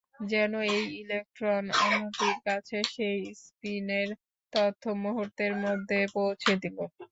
যেন এই ইলেকট্রন অন্যটির কাছে সেই স্পিনের তথ্য মুহূর্তের মধ্যে পৌঁছে দিল।